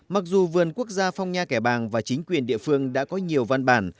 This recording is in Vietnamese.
mặc dù vườn quốc gia phong nha kẻ bàng và chính quyền địa phương đã có nhiều văn bản